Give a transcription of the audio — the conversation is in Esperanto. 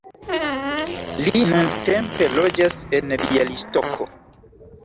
Li nuntempe loĝas en Bjalistoko.